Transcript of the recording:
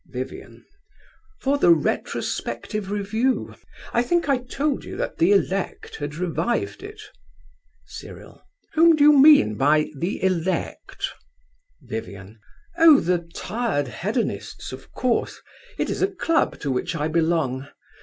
VIVIAN. For the Retrospective Review. I think I told you that the elect had revived it. CYRIL. Whom do you mean by 'the elect'? VIVIAN. Oh, The Tired Hedonists, of course. It is a club to which I belong.